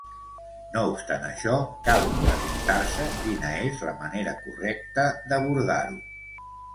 No obstant això, cal preguntar-se quina és la manera correcta d’abordar-ho.